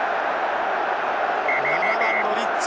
７番のリッチ。